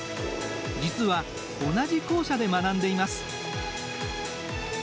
実は同じ校舎で学んでいます。